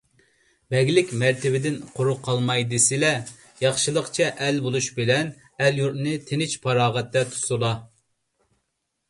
بەگلىك مەرتىۋىدىن قۇرۇق قالماي دېسىلە، ياخشىلىقچە ئەل بولۇش بىلەن ئەل - يۇرتنى تىنچ - پاراغەتتە تۇتسىلا!